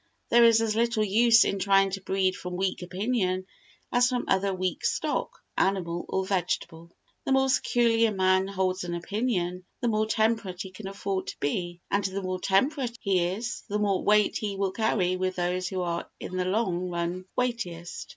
There is as little use in trying to breed from weak opinion as from other weak stock, animal or vegetable. The more securely a man holds an opinion, the more temperate he can afford to be, and the more temperate he is, the more weight he will carry with those who are in the long run weightiest.